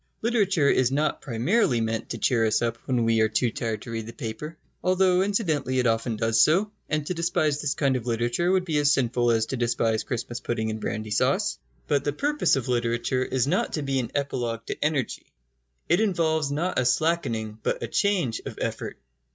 Literature is not primarily meant to cheer us up when we are too tired to read the paper, though incidentally it often does so, and to despise this kind of literature would be as sinful as to despise Christmas pudding and brandy sauce. But the purpose of literature is not to be an epilogue to energy. It involves not a slackening, but a change, of effort.